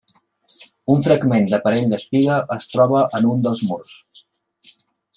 Un fragment d'aparell d'espiga es troba en un dels murs.